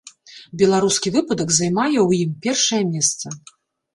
Беларускі выпадак займае ў ім першае месца.